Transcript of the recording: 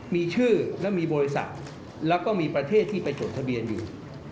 มีชื่อและมีบริษัทแล้วก็มีประเทศที่ไปจดทะเบียนอยู่